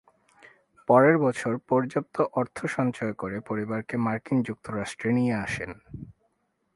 পরের বছর পর্যাপ্ত অর্থ সঞ্চয় করে পরিবারকে মার্কিন যুক্তরাষ্ট্রে নিয়ে আসেন।